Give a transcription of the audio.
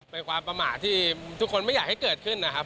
เป็นความประมาทที่ทุกคนไม่อยากให้เกิดขึ้นนะครับ